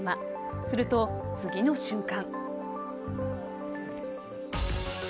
すると次の瞬間。